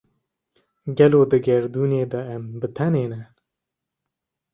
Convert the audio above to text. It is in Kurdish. Gelo di gerdûnê de em bi tenê ne?